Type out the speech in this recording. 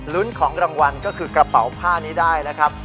ของรางวัลก็คือกระเป๋าผ้านี้ได้นะครับ